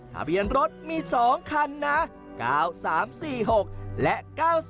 ทะเบียนรถมี๒คันนะ๙๓๔๖และ๙๔